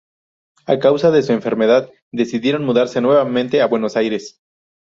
A causa de su enfermedad decidieron mudarse nuevamente a Buenos Aires.